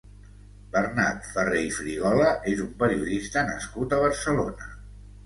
Bernat Ferrer i Frigola és un periodista nascut a Barcelona.